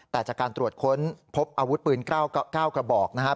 แต่จากการตรวจค้นพบอาวุธปืน๙กระบอกนะครับ